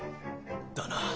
だな。